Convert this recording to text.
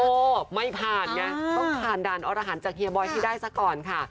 ไม่ผ่านไงต้องผ่านด่านอรหันต์จากเฮียบอยที่ได้ซะก่อนค่ะ